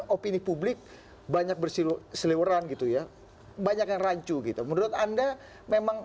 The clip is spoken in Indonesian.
opini publik banyak bersiliweran gitu ya banyak yang rancu gitu menurut anda memang